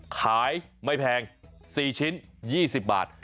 ขายไม่แพง๔ชิ้น๒๐บาท